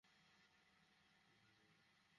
আপনি স্বদেশ থেকে দূরে।